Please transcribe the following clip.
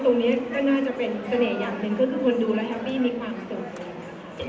เสียงปลดมือจังกัน